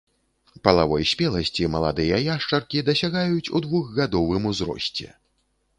Палавой спеласці маладыя яшчаркі дасягаюць у двухгадовым узросце.